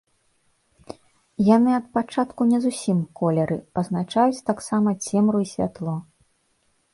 Яны ад пачатку не зусім колеры, пазначаюць таксама цемру і святло.